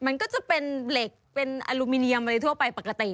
มันก็จะเป็นเหล็กเป็นอลูมิเนียมอะไรทั่วไปปกติ